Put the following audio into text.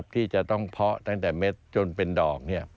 ที่จะต้องเพาะตั้งแต่เม็ดจนเป็นดอก